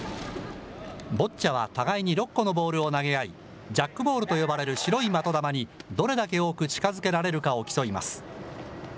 ボッチャは互いに６個のボールを投げ合い、ジャックボールと呼ばれる白い的玉にどれだけ多く近づけられるかを競います。